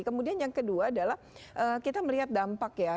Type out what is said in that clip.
kemudian yang kedua adalah kita melihat dampak ya